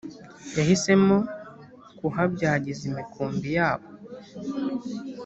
yahisemo kuhabyagiza imikumbi yabo